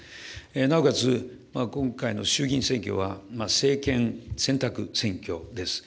なおかつ、今回の衆議院選挙は、政権選択選挙です。